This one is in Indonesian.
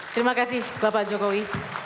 terima kasih bapak jokowi